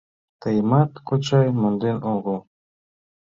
Тыйымат, кочай, монден огыл.